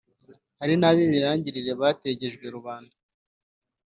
hari n’ab’ibirangirire bategejwe rubanda